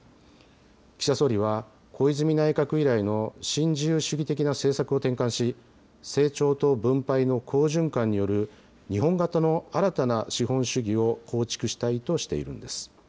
岸田総理は、小泉内閣以来の新自由主義的な政策を転換し、成長と分配の好循環による日本型の新たな資本主義を構築したいとしているんです。